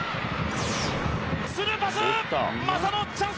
スルーパス！